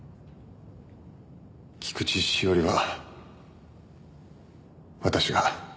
菊地詩織は私が。